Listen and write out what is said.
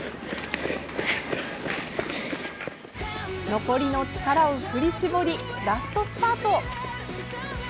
残りの力を振り絞りラストスパート。